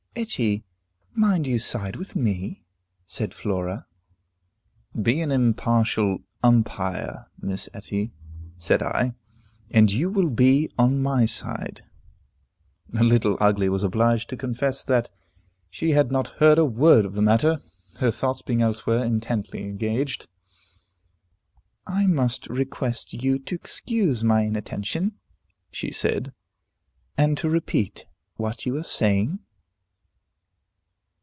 "Etty, mind you side with me," said Flora. "Be an impartial umpire, Miss Etty," said I, "and you will be on my side." Little Ugly was obliged to confess that she had not heard a word of the matter, her thoughts being elsewhere, intently engaged. "I must request you to excuse my inattention," she said, "and to repeat what you were saying."